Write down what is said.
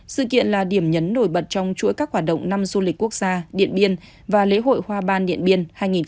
sự kiện là điểm nhấn nổi bật trong chuỗi các hoạt động năm du lịch quốc gia điện biên và lễ hội hoa ban điện biên hai nghìn một mươi chín